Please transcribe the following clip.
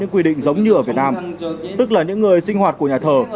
quy định giống như ở việt nam tức là những người sinh hoạt của nhà thờ